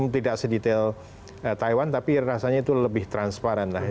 tidak sedetail taiwan tapi rasanya itu lebih transparan lah